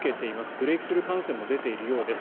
ブレークスルー感染も出ているようです。